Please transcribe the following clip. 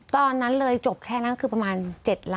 ตอนนั้นเลยจบแค่นั้นคือ๗ล้านเซษ